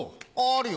あるよ。